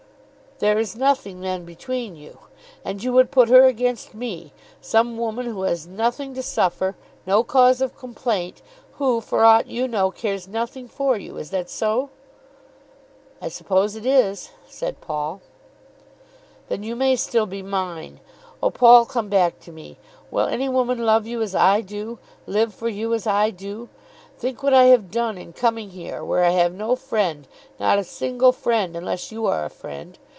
"There is nothing, then, between you? And you would put her against me, some woman who has nothing to suffer, no cause of complaint, who, for aught you know, cares nothing for you. Is that so?" "I suppose it is," said Paul. "Then you may still be mine. Oh, Paul, come back to me. Will any woman love you as I do; live for you as I do? Think what I have done in coming here, where I have no friend, not a single friend, unless you are a friend.